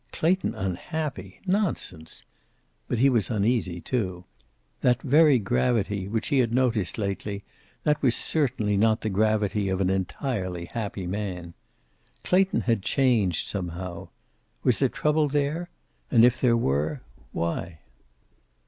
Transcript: Clayton unhappy! Nonsense. But he was uneasy, too. That very gravity which he had noticed lately, that was certainly not the gravity of an entirely happy man. Clayton had changed, somehow. Was there trouble there? And if there were, why?